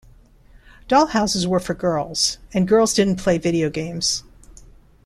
Doll houses were for girls, and girls didn't play video games.